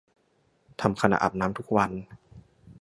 ทำขณะอาบน้ำทุกวัน